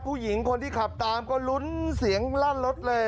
ผู้หญิงคนที่ขับตามก็ลุ้นเสียงลั่นรถเลย